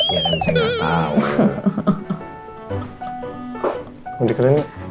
ya kan saya gak tau